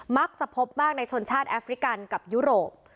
มักจะพบมากในชนชาติแอฟริกันกับยุโรป